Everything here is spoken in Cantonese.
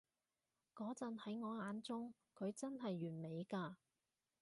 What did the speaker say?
嗰陣喺我眼中，佢真係完美㗎